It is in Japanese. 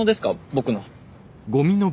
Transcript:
僕の。